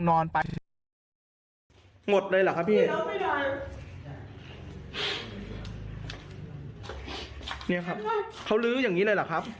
นี่ครับเขาลื้ออย่างนี้เลยเหรอครับ